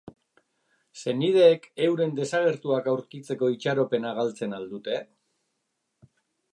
Senideek euren desagertuak aurkitzeko itxaropena galtzen al dute?